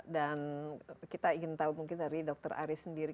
dan kita ingin tahu mungkin dari dokter aris sendiri